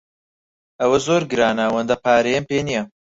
ئەوە زۆر گرانە، ئەوەندە پارەیەم پێ نییە.